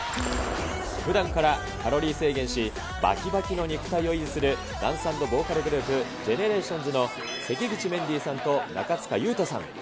ふだんからカロリー制限し、ばきばきの肉体を維持する、ダンス＆ボーカルグループ、ＧＥＮＥＲＡＴＩＯＮＳの関口メンディーさんと中務裕太さん。